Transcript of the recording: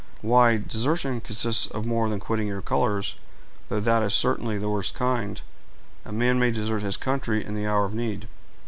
"Why, desertion consists of more than quitting your colors, though that is certainly the worst kind; a man may desert his country in the hour of need."